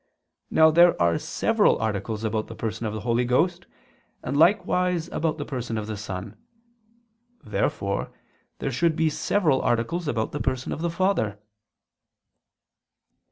Now there are several articles about the Person of the Holy Ghost, and likewise about the Person of the Son. Therefore there should be several articles about the Person of the Father.